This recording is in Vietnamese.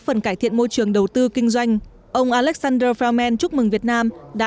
phần cải thiện môi trường đầu tư kinh doanh ông alexander fromman chúc mừng việt nam đã